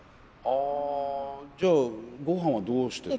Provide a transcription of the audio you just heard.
あじゃあごはんはどうしてるの？